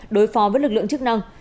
đối phó với lực lượng chức năng